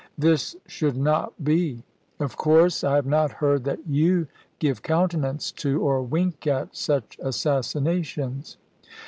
This should not be. Of course, I have not heard that you give counte nance to, or wink at, such assassinations.